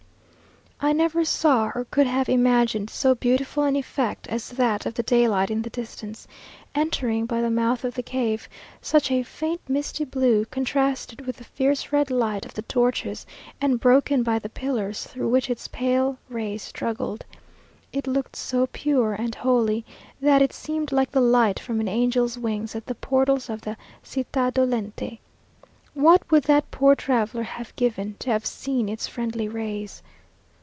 I never saw or could have imagined so beautiful an effect as that of the daylight in the distance, entering by the mouth of the cave; such a faint misty blue, contrasted with the fierce red light of the torches, and broken by the pillars through which its pale rays struggled. It looked so pure and holy, that it seemed like the light from an angel's wings at the portals of the "cittá dolente." What would that poor traveller have given to have seen its friendly rays!